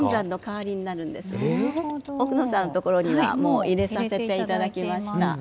奥野さんのところにはもう入れさせていただきました。